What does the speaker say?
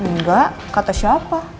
nggak kata siapa